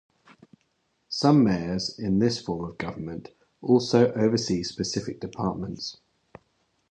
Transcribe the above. Some mayors in this form of government also oversee specific departments.